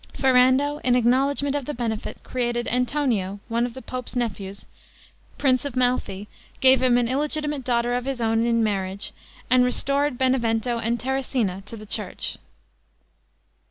Ferrando, in acknowledgment of the benefit, created Antonio, one of the pope's nephews, prince of Malfi, gave him an illegitimate daughter of his own in marriage, and restored Benevento and Terracina to the church.